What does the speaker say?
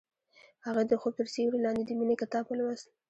هغې د خوب تر سیوري لاندې د مینې کتاب ولوست.